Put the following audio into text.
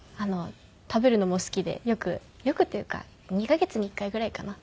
食べるのも好きでよくよくというか２カ月に１回ぐらいかな？